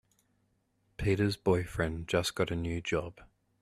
Peter's boyfriend just got a new job.